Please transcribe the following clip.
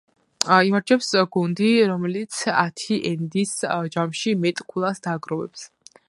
იმარჯვებს გუნდი, რომელიც ათი ენდის ჯამში მეტ ქულას დააგროვებს.